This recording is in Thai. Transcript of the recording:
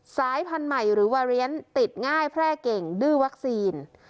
สายพันธุ์ใหม่หรือวาเรียนติดง่ายแพร่เก่งดื้อวัคซีน